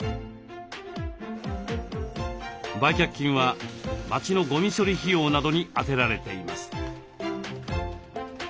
売却金は町のゴミ処理費用などに充てられています。